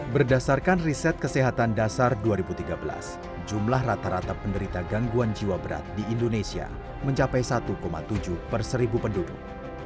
berdasarkan riset kesehatan dasar dua ribu tiga belas jumlah rata rata penderita gangguan jiwa berat di indonesia mencapai satu tujuh per seribu penduduk